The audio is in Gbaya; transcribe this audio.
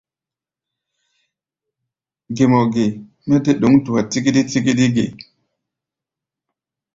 Gé mɔ ge mɛ dé ɗǒŋ tua kiti-kiti ge?